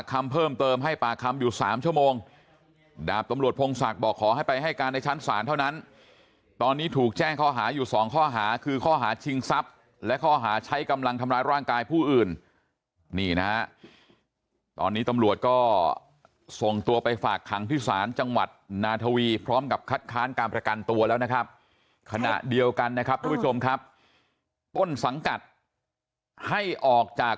ค่ะค่ะค่ะค่ะค่ะค่ะค่ะค่ะค่ะค่ะค่ะค่ะค่ะค่ะค่ะค่ะค่ะค่ะค่ะค่ะค่ะค่ะค่ะค่ะค่ะค่ะค่ะค่ะค่ะค่ะค่ะค่ะค่ะค่ะค่ะค่ะค่ะค่ะค่ะค่ะค่ะค่ะค่ะค่ะค่ะค่ะค่ะค่ะค่ะค่ะค่ะค่ะค่ะค่ะค่ะค